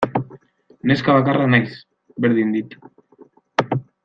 Neska bakarra naiz, berdin dit.